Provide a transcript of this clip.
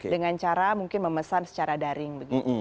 dengan cara mungkin memesan secara daring